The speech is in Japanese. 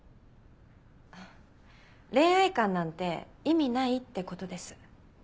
恋愛観なんて意味ないってことです。